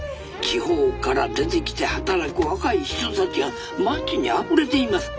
地方から出てきて働く若い人たちが町にあふれています。